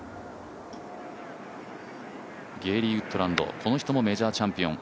ゲーリー・ウッドランド、この人もメジャーチャンピオン。